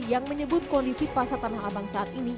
yang menyebut kondisi ini tidak berguna